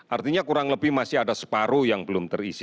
artinya kurang lebih masih ada separuh yang belum terisi